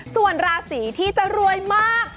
ส่วนราศีที่จะรวยมาก